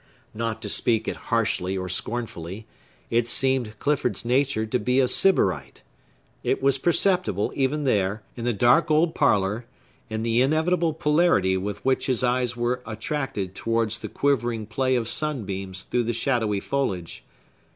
Not to speak it harshly or scornfully, it seemed Clifford's nature to be a Sybarite. It was perceptible, even there, in the dark old parlor, in the inevitable polarity with which his eyes were attracted towards the quivering play of sunbeams through the shadowy foliage.